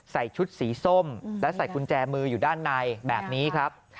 ใส่ชุดสีส้มและใส่กุญแจมืออยู่ด้านในแบบนี้ครับ